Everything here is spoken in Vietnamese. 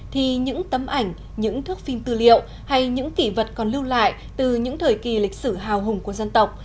thì những tấm ảnh những thước phim tư liệu hay những kỷ vật còn lưu lại từ những thời kỳ lịch sử hào hùng của dân tộc